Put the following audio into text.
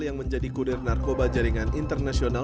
yang menjadi kurir narkoba jaringan internasional